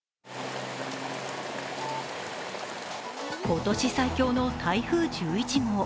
今年最強の台風１１号。